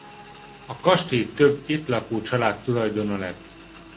A kastély több itt lakó család tulajdona lett.